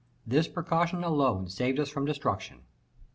This precaution alone saved us from destruction.